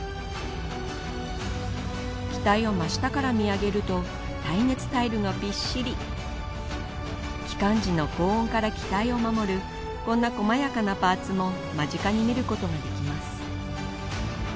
機体を真下から見上げると耐熱タイルがびっしり帰還時の高温から機体を守るこんな細やかなパーツも間近に見ることができます